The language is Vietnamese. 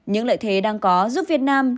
những lợi thế đang có giúp việt nam